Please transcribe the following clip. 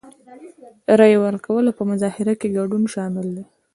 رای ورکول او په مظاهرو کې ګډون شامل دي.